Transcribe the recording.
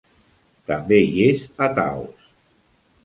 També hi és a Taos.